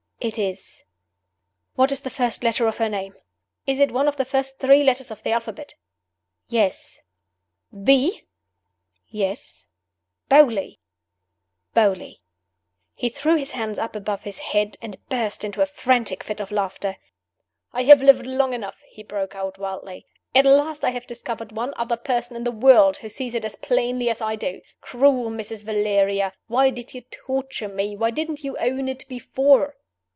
"It is." "What is the first letter of her name? Is it one of the first three letters of the alphabet?" "Yes." "B?" "Yes." "Beauly?" "Beauly." He threw his hands up above his head, and burst into a frantic fit of laughter. "I have lived long enough!" he broke out, wildly. "At last I have discovered one other person in the world who sees it as plainly as I do. Cruel Mrs. Valeria! why did you torture me? Why didn't you own it before?"